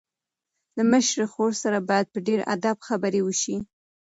له مشرې خور سره باید په ډېر ادب خبرې وشي.